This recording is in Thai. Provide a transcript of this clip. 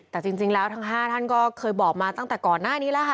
แต่จริงแล้วทั้ง๕ท่านก็เคยบอกมาตั้งแต่ก่อนหน้านี้แล้วค่ะ